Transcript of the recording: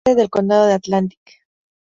Es la sede del condado de Atlantic.